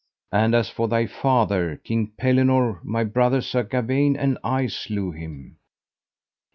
And as for thy father, King Pellinore, my brother Sir Gawaine and I slew him.